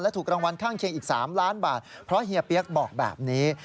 ถูกรางวัลข้างเคียงอีก๓ล้านบาทเพราะเฮียเปี๊ยกบอกแบบนี้